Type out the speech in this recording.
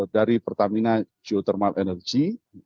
dari pertamina geothermal energy